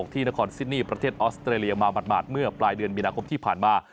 ที่นครซิดนี่ประเทศออสเตรเลียมาหมาดเมื่อปลายเดือนมีนาคมที่ผ่านมา